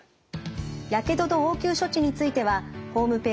やけどと応急処置についてはホームページ